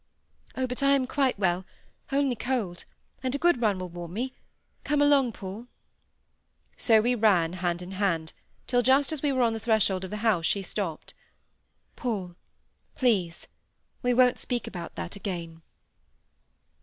"Oh! but I am quite well, only cold; and a good run will warm me. Come along, Paul." So we ran, hand in hand, till, just as we were on the threshold of the house, she stopped,— "Paul, please, we won't speak about that again."